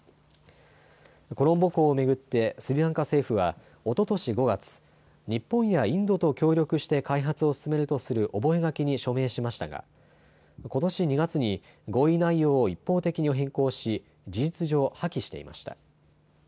コロンボ港を巡ってスリランカ政府はおととし５月、日本やインドと協力して開発を進めるとする覚書に署名しましたがことし２月に合意内容を一方的に変更し事実上、破棄していました。